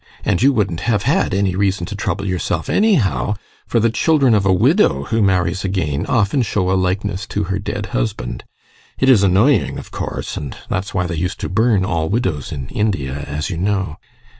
And you wouldn't have had any reason to trouble yourself anyhow, for the children of a widow who marries again often show a likeness to her dead husband. It is annoying, of course, and that's why they used to burn all widows in India, as you know.